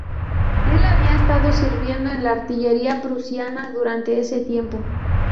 Él había estado sirviendo en la artillería prusiana durante ese tiempo.